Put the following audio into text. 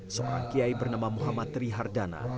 seorang kiai bernama muhammad trihardana